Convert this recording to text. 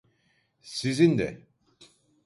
Sizin de…